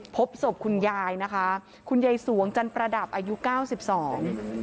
พบศพคุณยายนะคะคุณยายสวงจันประดับอายุเก้าสิบสอง